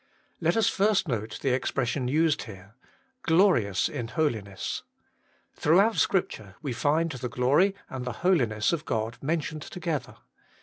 Let us first note the expression used here: glorious in holiness. Throughout Scripture we find the glory and the holiness of God mentioned together.